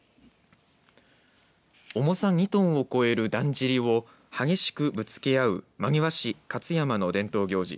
重さ２トンを超えるだんじりを激しくぶつけ合う真庭市勝山の伝統行事